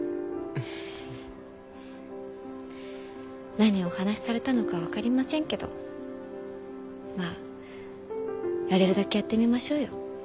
何をお話しされたのか分かりませんけどまあやれるだけやってみましょうよ。